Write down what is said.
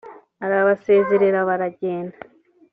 arabasezerera baragenda